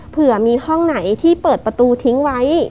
เผื่อมีห้องไหนที่เปิดประตูทิ้งไว้